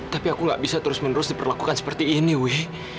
tapi aku gak bisa terus menerus diperlakukan seperti ini wih